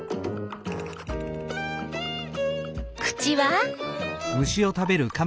口は？